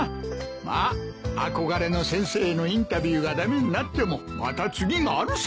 まっ憧れの先生へのインタビューが駄目になってもまた次があるさ。